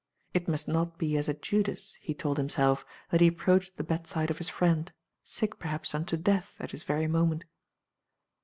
It must not be as a Judas, he told himself, that he approached the bedside of his friend, sick, perhaps, unto death at this very moment.